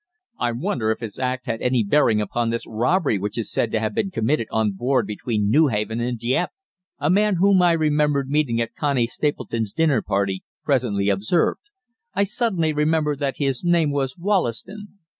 "I wonder if his act had any bearing upon this robbery which is said to have been committed on board between Newhaven and Dieppe," a man whom I remembered meeting at Connie Stapleton's dinner party, presently observed I suddenly remembered that his name was Wollaston.